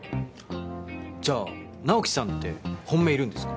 じゃあ直樹さんって本命いるんですか？